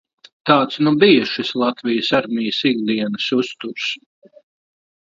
Tāds nu bija šis Latvijas armijas ikdienas uzturs.